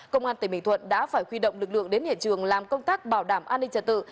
công an tỉnh bình thuận đã phải huy động lực lượng đến hiện trường làm công tác bảo đảm an ninh trật tự